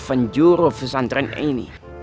penjuru pesantren ini